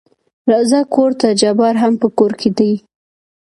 راځه کورته جبار هم په کور کې دى.